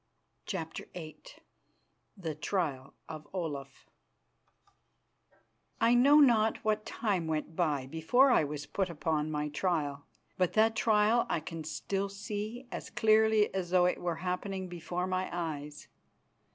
CHAPTER VIII THE TRIAL OF OLAF I know not what time went by before I was put upon my trial, but that trial I can still see as clearly as though it were happening before my eyes.